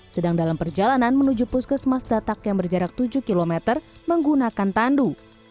sedang dalam perjalanan menuju puskesmas datak yang berjarak tujuh km menggunakan tandu